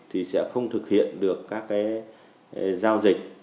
thì sẽ không thực hiện được các cái giao dịch